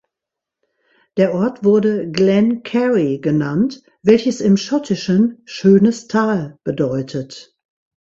Der Ort wurde "Glen Cary" genannt, welches im Schottischen „schönes Tal“ bedeutet.